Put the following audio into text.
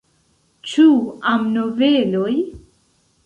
Ĉu amnoveloj?